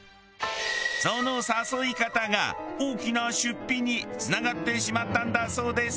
その誘い方が大きな出費に繋がってしまったんだそうです。